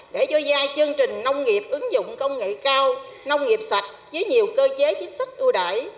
để cho gia chương trình nông nghiệp ứng dụng công nghệ cao nông nghiệp sạch với nhiều cơ chế chính sách ưu đại